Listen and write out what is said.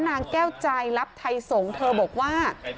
นางแก้วใจลับไทยสงฆ์เธอบอกว่า